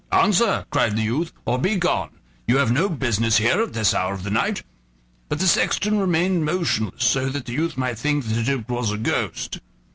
"Answer," cried the youth, "or begone; you have no business here at this hour of the night." But the sexton remained motionless, so that the youth might think that it was a ghost.